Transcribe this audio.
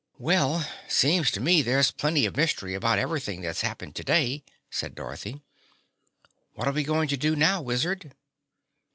"Well, seems to me there's plenty of mystery about everything that's happened today," said Dorothy. "What are we going to do now, Wizard?"